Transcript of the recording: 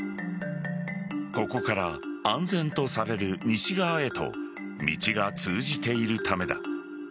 ここから安全とされる西側へと道が通じているためだ。